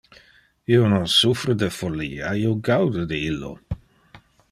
Io non suffre de follia, io gaude de illo.